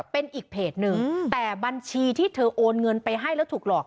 เป็นอีกเพจหนึ่งแต่บัญชีที่เธอโอนเงินไปให้แล้วถูกหลอก